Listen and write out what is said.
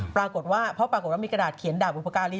ปรากฏว่าเพราะปรากฏว่ามีกระดาษเขียนดาบบุพการี